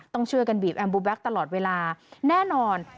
ต้องช่วยกันบีบแอมบูแบ็คตลอดเวลาแน่นอน